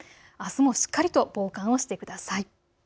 あすもしっかりと防寒してください。